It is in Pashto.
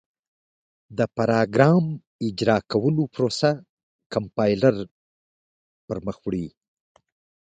د پراګرام اجرا کولو پروسه کمپایلر پر مخ وړي.